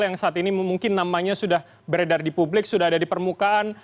yang saat ini mungkin namanya sudah beredar di publik sudah ada di permukaan